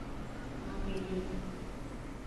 Nuhlinhlin.